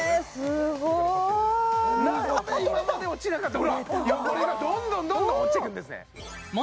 すごいなので今まで落ちなかった汚れがどんどんどんどん落ちてくんですね